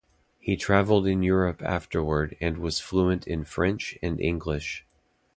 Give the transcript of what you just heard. He traveled in Europe afterward, and was fluent in French and English.